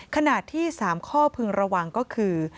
ขณะที่๓ข้อพึงระวังก็คือ